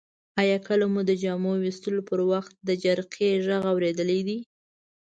آیا کله مو د جامو ویستلو پر وخت د جرقې غږ اوریدلی دی؟